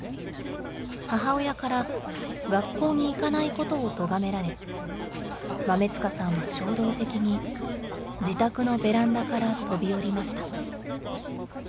母親から、学校に行かないことをとがめられ、豆塚さんは衝動的に、自宅のベランダから飛び降りました。